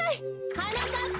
はなかっぱ！